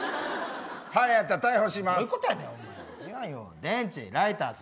歯やったら逮捕します。